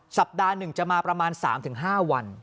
สัปดาห์หนึ่งจะมาประมาณ๓๕วัน